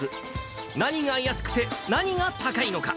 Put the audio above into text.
何が安くて、何が高いのか。